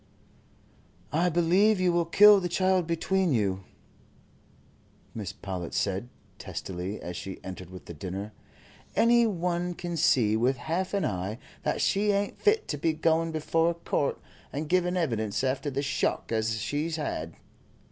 "I believe you will kill the child between you," Mrs. Powlett said, testily, as she entered with the dinner. "Any one can see with half an eye that she ain't fit to be going before a court and giving evidence after the shock as she 'as had.